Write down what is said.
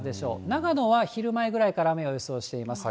長野は昼前ぐらいから雨を予想しています。